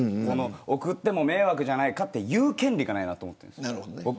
送っても迷惑じゃないかと言う権利がないなと思っています。